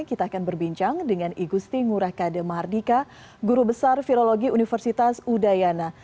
kita akan berbincang dengan igusti ngurah kade mardika guru besar virologi universitas udayana